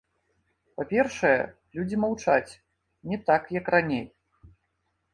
Па-першае, людзі маўчаць, не так, як раней.